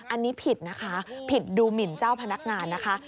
อันนี้ผิดนะคะผิดดูหมินเจ้าพนักงานนะคะ